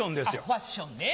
ファッションね。